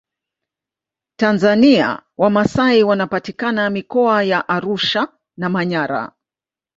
tanzania wamasai wanapatikana mikoa ya arusha na manyara